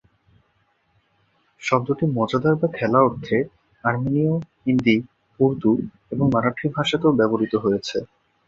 শব্দটি "মজাদার" বা "খেলা" অর্থে আর্মেনীয়, হিন্দি, উর্দু এবং মারাঠি ভাষাতেও ব্যবহৃত হয়েছে।